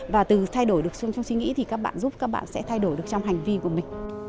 và từ thay đổi được xuống trong suy nghĩ thì các bạn giúp các bạn sẽ thay đổi được trong hành vi của mình